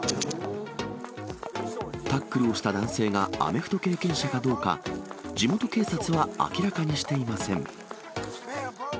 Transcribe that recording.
タックルをした男性がアメフト経験者かどうか、地元警察は明らかにしていません。